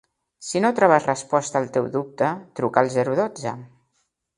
Si no trobes resposta al teu dubte, truca al zero dotze.